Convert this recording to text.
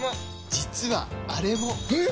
実はあれも！え！？